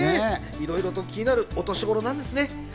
いろいろと気になるお年頃なんですね。